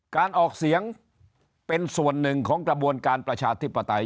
การออกเสียงเป็นส่วนหนึ่งของกระบวนการประชาธิปไตย